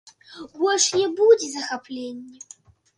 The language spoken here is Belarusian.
Больш не будзе захаплення.